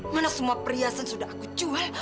mana semua perhiasan sudah aku jual